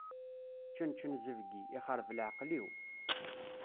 Čenčen zebgi, ixreb leɛqel-iw.